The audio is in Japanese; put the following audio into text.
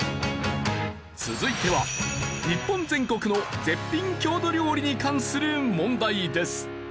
続いては日本全国の絶品郷土料理に関する問題です。